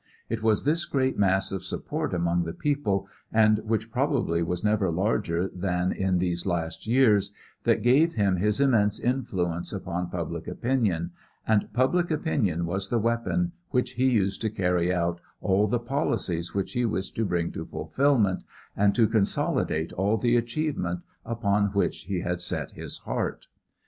It was this great mass of support among the people, and which probably was never larger than in these last years, that gave him his immense influence upon public opinion, and public opinion was the weapon which he used to carry out all the policies which he wished to bring to fulfillment and to consolidate all the achievement upon which he had set his heart.